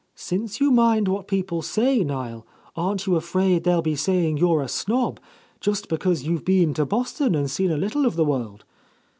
"Since you mind what people say, Niel, aren't you afraid they'll be saying you're a snob, just because you've been to Boston and seen a lit tle of the world?